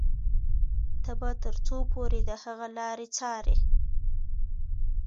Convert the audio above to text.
ته به تر څو پورې د هغه لارې څاري.